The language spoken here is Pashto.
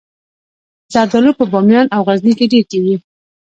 زردالو په بامیان او غزني کې ډیر کیږي